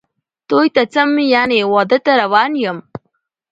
توی ته څم ،یعنی واده ته روان یم